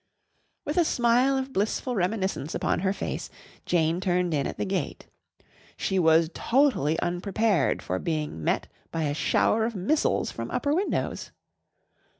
With a smile of blissful reminiscence upon her face, Jane turned in at the gate. She was totally unprepared for being met by a shower of missiles from upper windows.